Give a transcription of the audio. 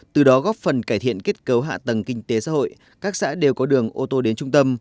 từ đó góp phần cải thiện kết cấu hạ tầng kinh tế xã hội các xã đều có đường ô tô đến trung tâm